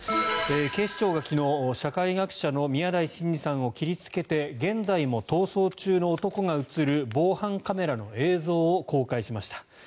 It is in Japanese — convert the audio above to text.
警視庁が昨日社会学者の宮台真司さんを切りつけて現在も逃走中の男が映る防犯カメラの映像を公開しました。